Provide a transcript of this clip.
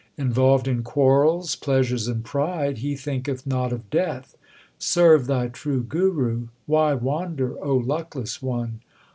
Involved in quarrels, pleasures, and pride, he thinketh not of death. Serve thy true Guru ; why wander, O luckless one